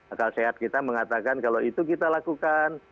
akal sehat kita mengatakan kalau itu kita lakukan